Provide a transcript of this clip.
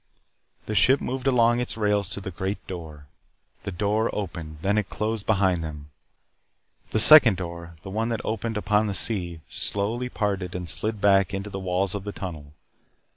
The ship moved along its rails to the Great Door. The door opened. Then it closed behind them. The second door the one that opened upon the sea slowly parted and slid back into the walls of the tunnel.